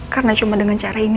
karena cuma dengan cara ini